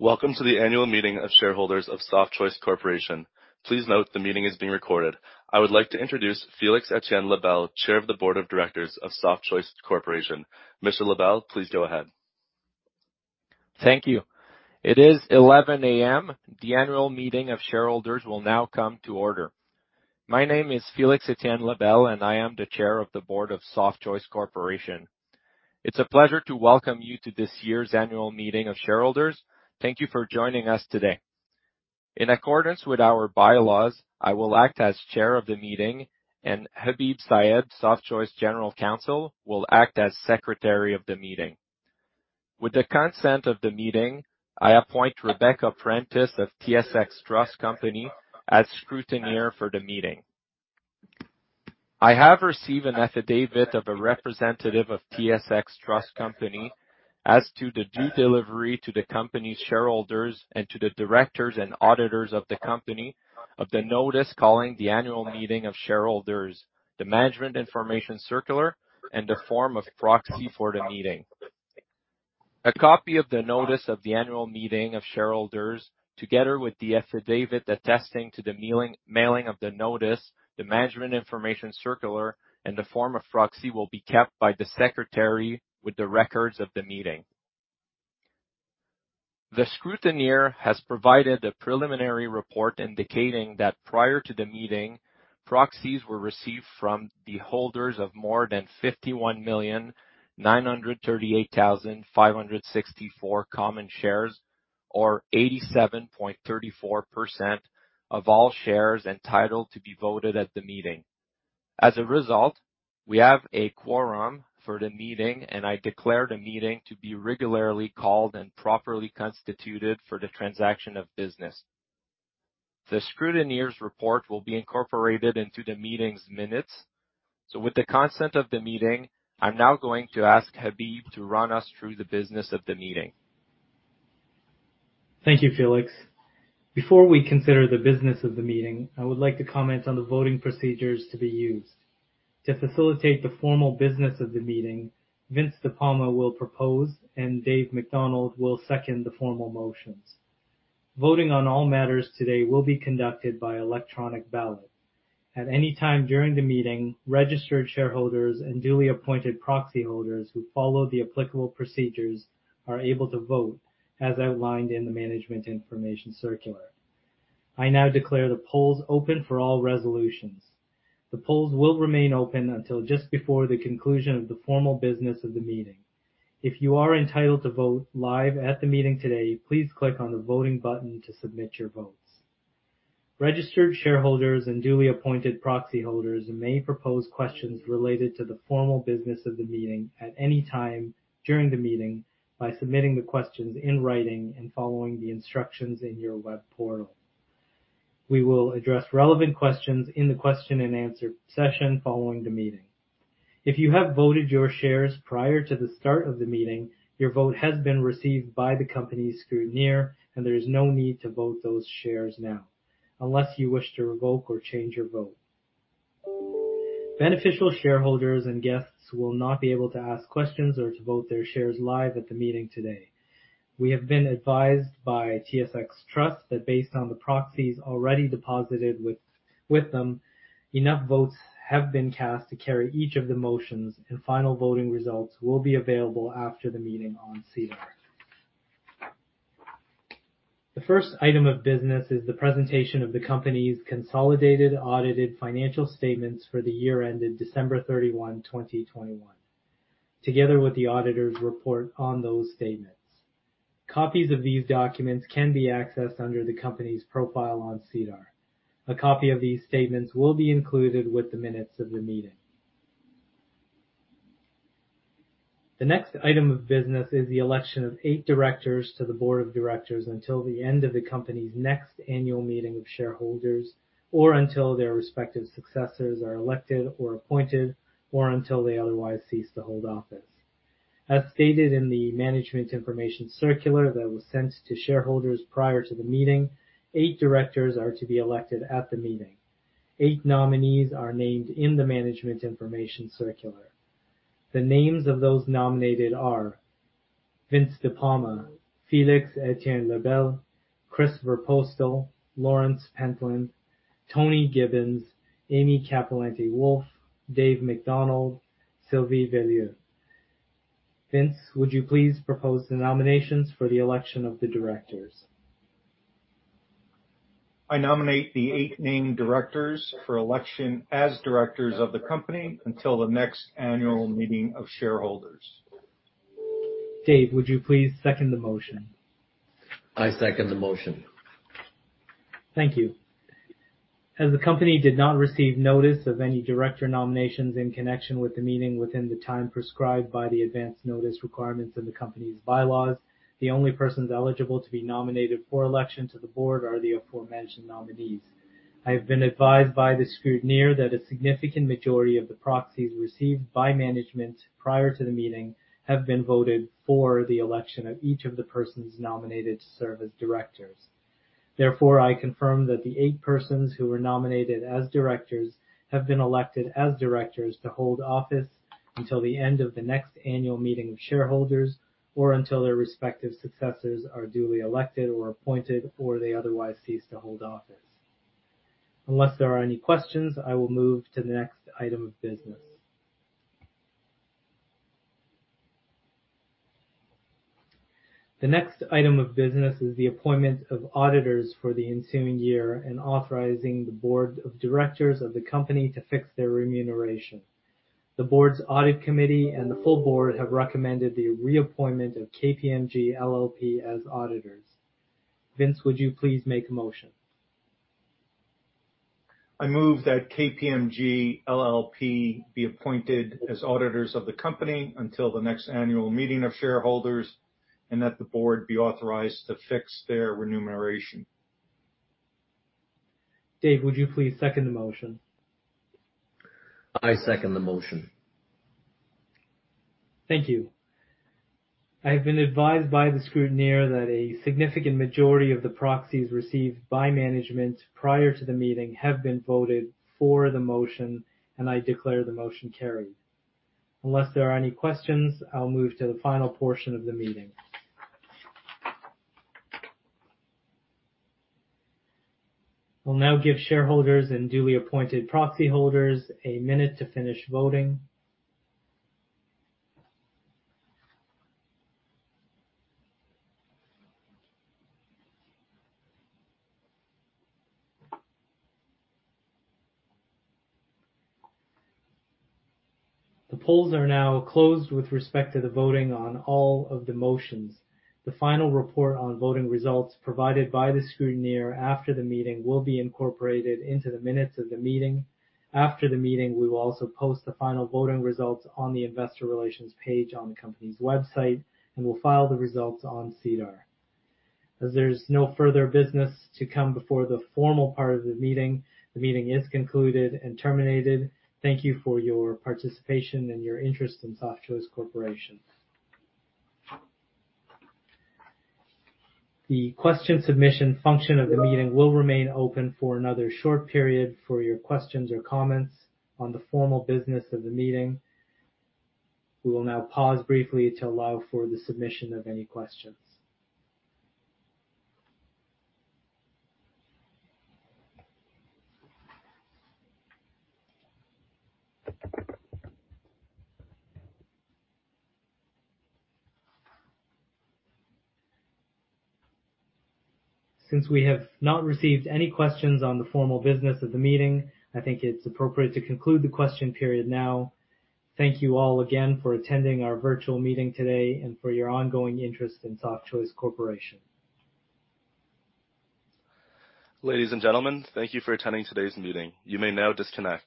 Welcome to the Annual Meeting of Shareholders of Softchoice Corporation. Please note the meeting is being recorded. I would like to introduce Félix-Étienne Lebel, Chair of the Board of Directors of Softchoice Corporation. Mr. Lebel, please go ahead. Thank you. It is 11:00 A.M. The annual meeting of shareholders will now come to order. My name is Félix-Etienne Lebel, and I am the Chair of the Board of Softchoice Corporation. It's a pleasure to welcome you to this year's annual meeting of shareholders. Thank you for joining us today. In accordance with our bylaws, I will act as Chair of the meeting, and Habeeb Syed, Softchoice General Counsel, will act as Secretary of the meeting. With the consent of the meeting, I appoint Rebecca Prentice of TSX Trust Company as Scrutineer for the meeting. I have received an affidavit of a Representative of TSX Trust Company as to the due delivery to the company's shareholders and to the Directors and Auditors of the company of the notice calling the annual meeting of shareholders, the management information circular, and the form of proxy for the meeting. A copy of the notice of the annual meeting of shareholders, together with the affidavit attesting to the mailing of the notice, the management information circular, and the form of proxy, will be kept by the Secretary with the records of the meeting. The Scrutineer has provided a preliminary report indicating that prior to the meeting, proxies were received from the holders of more than 51,938,564 common shares or 87.34% of all shares entitled to be voted at the meeting. As a result, we have a quorum for the meeting, and I declare the meeting to be regularly called and properly constituted for the transaction of business. The scrutineer's report will be incorporated into the meeting's minutes. With the consent of the meeting, I'm now going to ask Habeeb to run us through the business of the meeting. Thank you, Félix. Before we consider the business of the meeting, I would like to comment on the voting procedures to be used. To facilitate the formal business of the meeting, Vince De Palma will propose, and Dave MacDonald will second the formal motions. Voting on all matters today will be conducted by electronic ballot. At any time during the meeting, registered shareholders and duly appointed proxy holders who follow the applicable procedures are able to vote as outlined in the Management Information Circular. I now declare the polls open for all resolutions. The polls will remain open until just before the conclusion of the formal business of the meeting. If you are entitled to vote live at the meeting today, please click on the voting button to submit your votes. Registered shareholders and duly appointed proxy holders may propose questions related to the formal business of the meeting at any time during the meeting by submitting the questions in writing and following the instructions in your web portal. We will address relevant questions in the question-and-answer session following the meeting. If you have voted your shares prior to the start of the meeting, your vote has been received by the company's Scrutineer, and there is no need to vote those shares now, unless you wish to revoke or change your vote. Beneficial shareholders and guests will not be able to ask questions or to vote their shares live at the meeting today. We have been advised by TSX Trust that based on the proxies already deposited with them, enough votes have been cast to carry each of the motions, and final voting results will be available after the meeting on SEDAR. The first item of business is the presentation of the company's consolidated audited financial statements for the year ended December 31, 2021, together with the auditor's report on those statements. Copies of these documents can be accessed under the company's profile on SEDAR. A copy of these statements will be included with the minutes of the meeting. The next item of business is the election of eight directors to the Board of Directors until the end of the company's next annual meeting of shareholders, or until their respective successors are elected or appointed, or until they otherwise cease to hold office. As stated in the Management Information Circular that was sent to shareholders prior to the meeting, eight directors are to be elected at the meeting. Eight nominees are named in the Management Information Circular. The names of those nominated are Vince De Palma, Félix-Etienne Lebel, Christopher Voorpostel, Lawrence Pentland, Tony Gibbons, Amy Cappellanti-Wolf, Dave MacDonald, Sylvie Veilleux. Vince, would you please propose the nominations for the election of the Directors? I nominate the eight named directors for election as Directors of the company until the next annual meeting of shareholders. Dave, would you please second the motion? I second the motion. Thank you. As the company did not receive notice of any Director nominations in connection with the meeting within the time prescribed by the advance notice requirements of the company's bylaws, the only persons eligible to be nominated for election to the Board are the aforementioned nominees. I have been advised by the Scrutineer that a significant majority of the proxies received by management prior to the meeting have been voted for the election of each of the persons nominated to serve as Directors. Therefore, I confirm that the eight persons who were nominated as Directors have been elected as Directors to hold office until the end of the next annual meeting of shareholders, or until their respective successors are duly elected or appointed, or they otherwise cease to hold office. Unless there are any questions, I will move to the next item of business. The next item of business is the appointment of Auditors for the ensuing year and authorizing the Board of Directors of the company to fix their remuneration. The Board's Audit Committee and the full Board have recommended the reappointment of KPMG LLP as Auditors. Vince, would you please make a motion? I move that KPMG LLP be appointed as Auditors of the company until the next annual meeting of shareholders, and that the Board be authorized to fix their remuneration. Dave, would you please second the motion? I second the motion. Thank you. I have been advised by the Scrutineer that a significant majority of the proxies received by management prior to the meeting have been voted for the motion, and I declare the motion carried. Unless there are any questions, I'll move to the final portion of the meeting. We'll now give shareholders and duly appointed proxy holders a minute to finish voting. The polls are now closed with respect to the voting on all of the motions. The final report on voting results provided by the Scrutineer after the meeting will be incorporated into the minutes of the meeting. After the meeting, we will also post the final voting results on the Investor Relations page on the company's website, and we'll file the results on SEDAR. As there's no further business to come before the formal part of the meeting, the meeting is concluded and terminated. Thank you for your participation and your interest in Softchoice Corporation. The question submission function of the meeting will remain open for another short period for your questions or comments on the formal business of the meeting. We will now pause briefly to allow for the submission of any questions. Since we have not received any questions on the formal business of the meeting, I think it's appropriate to conclude the question period now. Thank you all again for attending our virtual meeting today and for your ongoing interest in Softchoice Corporation. Ladies and gentlemen, thank you for attending today's meeting. You may now disconnect.